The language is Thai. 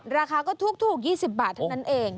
ราคาก็ถูก๒๐บาทเท่านั้นเอง